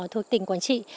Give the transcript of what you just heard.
thuộc tỉnh quản trị